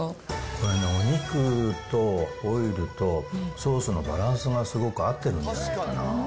これね、お肉とオイルとソースのバランスがすごく合ってるんじゃないかな。